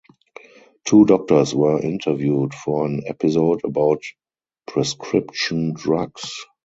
Two doctors were interviewed for an episode about prescription drugs.